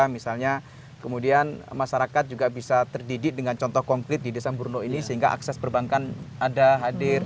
misalnya kemudian masyarakat juga bisa terdidik dengan contoh komplit di desa burno ini sehingga akses perbankan ada hadir